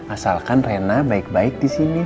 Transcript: asalkan rena baik baik di sini